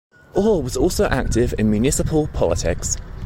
Orr was also active in municipal politics.